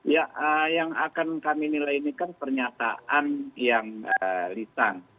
ya yang akan kami nilainya kan pernyataan yang lisan